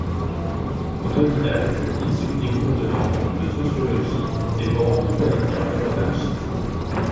Autodidacte, il suit des cours de langue, de sociologie, dévorant toute la littérature anarchiste.